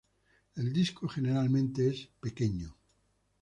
El disco generalmente es pequeño.